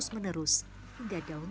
api api itu ada di luar